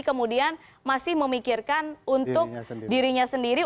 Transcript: kemudian masih memikirkan untuk dirinya sendiri